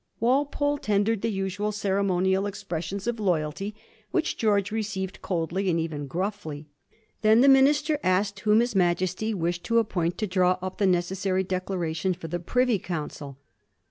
Walpole tendered the usual cere monial expressions of loyalty, which G^rge received coldly, and even gruffly. Then the minister asked whom his Majesty wished to appoint to draw up the necessary declaration for the Privy Council.